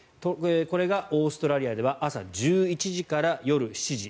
これがオーストラリアでは朝１１時から夜７時。